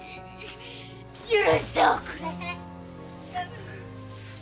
許しておくれ。